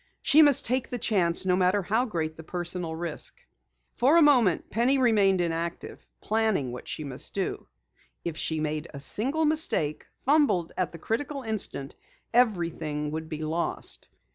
She must take the chance, no matter how great the personal risk. For a moment Penny remained inactive, planning what she must do. If she made a single mistake, fumbled at the critical instant, everything would be lost.